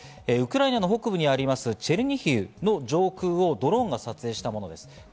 ウクライナの北部にあるチェルニヒウの上空をドローンが撮影したものです。